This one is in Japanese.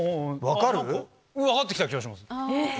分かって来た気がします。